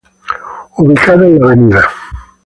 Ubicada en Av.